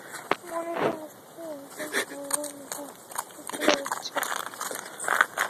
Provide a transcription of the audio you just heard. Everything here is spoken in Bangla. মনে তো আছে একদিন সরলার মুখে হাসিখুশি ছিল উচ্ছ্বসিত।